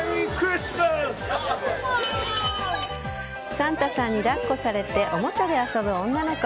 サンタさんに抱っこされておもちゃで遊ぶ女の子。